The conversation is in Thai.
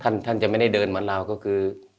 ท่านจะไม่ได้เดินเหมือนเราก็คือ